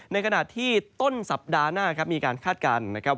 ในขณะที่ต้นสัปดาห์หน้าครับมีการคาดการณ์นะครับ